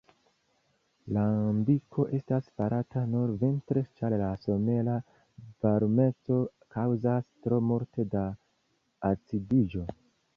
Lambiko estas farata nur vintre, ĉar la somera varmeco kaŭzas tro multe da acidiĝo.